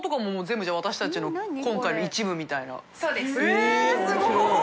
えぇすごい！